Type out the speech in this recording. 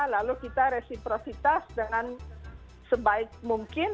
lalu kita resiprositas dengan sebaik mungkin